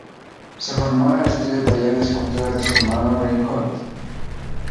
Se formó en el estudio taller de escultura de su hermano Reinhold.